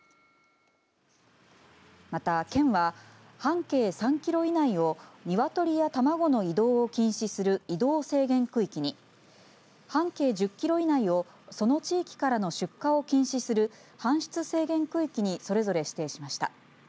また、県は半径３キロ以内をニワトリや卵の移動を禁止する移動制限区域に半径１０キロ以内をその地域からの出荷を禁止する搬出制限区域にそれぞれ指定しました。